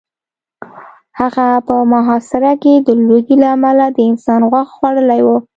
هغه په محاصره کې د لوږې له امله د انسان غوښه خوړلې وه